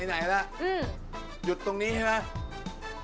หยุดตรงนี้ใช่ไหม